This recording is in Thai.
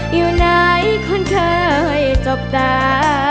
อยู่ไหนคนเคยจบตา